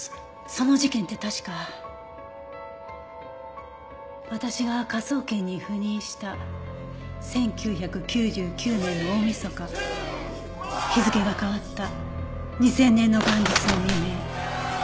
その事件って確か私が科捜研に赴任した１９９９年の大みそか日付が変わった２０００年の元日の未明。